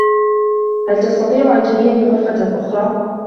هل تستطيع أن تريني غرفة أخرى؟